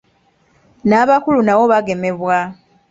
N'abakulu nabo bagemebwa.